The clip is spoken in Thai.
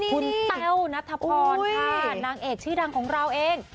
คุณแต้วนัทพรค่ะนางเอกชื่อดังของเราเอง